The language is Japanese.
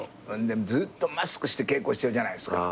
でもずっとマスクして稽古してるじゃないですか。